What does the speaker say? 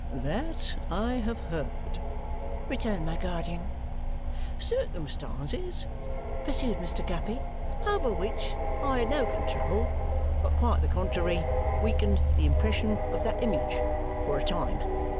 "That I have heard," returned my guardian. "Circumstances," pursued Mr. Guppy, "over which I had no control, but quite the contrary, weakened the impression of that image for a time.